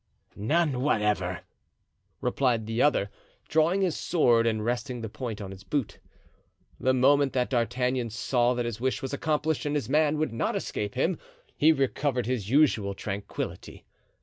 "None, whatever," replied the other, drawing his sword and resting the point on his boot. The moment that D'Artagnan saw that his wish was accomplished and his man would not escape him, he recovered his usual tranquillity.